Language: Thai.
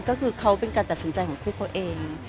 ก็คือเขาเป็นการตัดสินใจของคู่เขาเอง